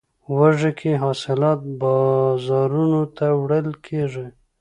وږی کې حاصلات بازارونو ته وړل کیږي.